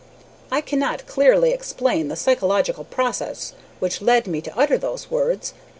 "I cannot clearly explain the psychological process which led me to utter those words.